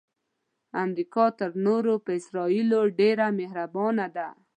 امریکا تر نورو په اسراییلو ډیره مهربانه ده.